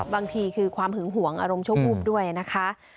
บางทีคือความหึงหวงอารมณ์โชคภูมิด้วยนะคะ